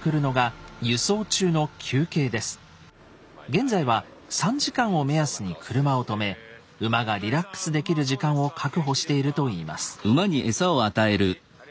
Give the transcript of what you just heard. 現在は３時間を目安に車を止め馬がリラックスできる時間を確保しているといいます。